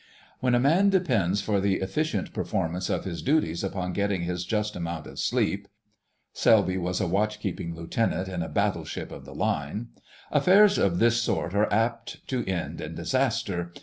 When a man depends for the efficient performance of his duties upon getting his just amount of sleep (Selby was a watch keeping Lieutenant in a battleship of the line), affairs of this sort are apt to end in disaster.